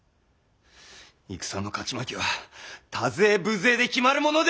戦の勝ち負けは多勢無勢で決まるものではない！